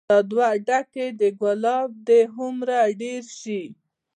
دا دوه ډکي د ګلاب دې هومره ډير شي